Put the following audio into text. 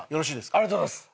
ありがとうございます。